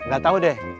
gak tau deh